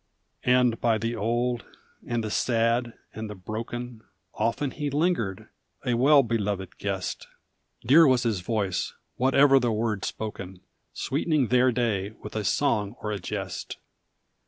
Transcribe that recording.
And by the old, and the sad, and the broken, Often he lingered, a well beloved guest; Dear was his voice, whatever the word spoken, Sweetening their day with a song or a jest.